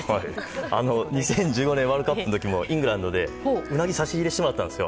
２０１５年のワールドカップの時もイングランドでウナギを差し入れしてもらったんです。